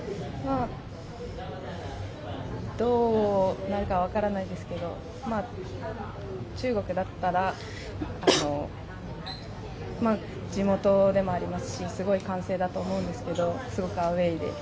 どうなるか分からないですけど、中国だったら地元でもありますし、すごい歓声だと思うんですけどすごくアウェーで。